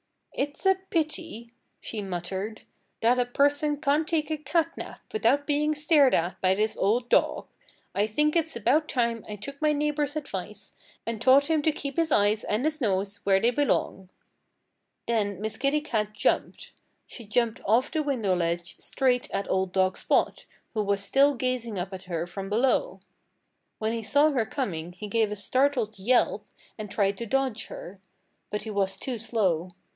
"It's a pity," she muttered, "that a person can't take a cat nap without being stared at by this old dog. I think it's about time I took my neighbor's advice and taught him to keep his eyes and his nose where they belong." Then Miss Kitty Cat jumped. She jumped off the window ledge straight at old dog Spot, who was still gazing up at her from below. When he saw her coming he gave a startled yelp and tried to dodge her. But he was too slow.